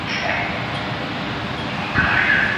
الله تعالی قرآن کريم واضحوونکی او څرګندوونکی کتاب وباله.